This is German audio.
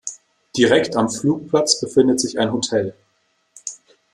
Direkt am Flugplatz befindet sich ein Hotel.